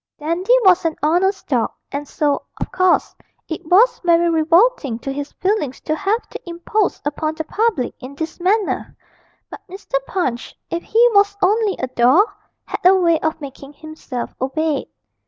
Dandy was an honest dog, and so, of course, it was very revolting to his feelings to have to impose upon the public in this manner; but Mr. Punch, if he was only a doll, had a way of making himself obeyed.